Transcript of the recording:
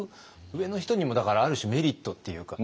上の人にもだからある種メリットっていうか。